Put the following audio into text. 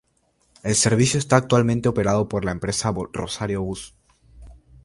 El servicio está actualmente operado por la empresa Rosario Bus.